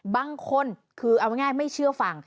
บางคนคือเอาง่ายไม่เชื่อฟัง